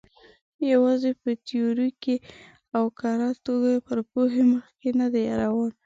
یوازې په تیوریکي او کره توګه پر پوهې مخکې نه دی روان.